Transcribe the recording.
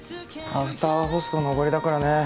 アフターはホストのおごりだからね。